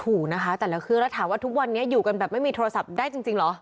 ถูกนะคะแต่ละเครื่องแล้วถามว่าทุกวันนี้อยู่กันแบบไม่มีโทรศัพท์ได้จริงเหรอ